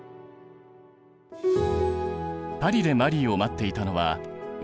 パリでマリーを待っていたのは運命の出会い。